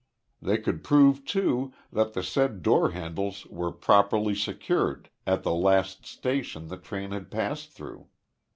They could prove too, that the said door handles were properly secured at the last station the train had passed through.